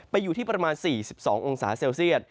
อยู่ที่ประมาณ๔๒องศาเซลเซียต